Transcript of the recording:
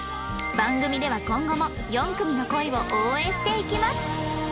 番組では今後も４組の恋を応援していきます